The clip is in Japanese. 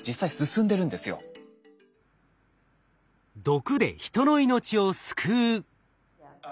毒で人の命を救う。